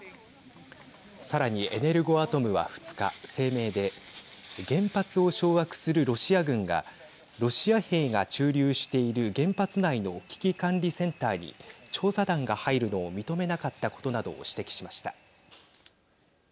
さらに、エネルゴアトムは２日、声明で原発を掌握するロシア軍がロシア兵が駐留している原発内の危機管理センターに調査団が入るのを認めなかったことなどを指摘しました。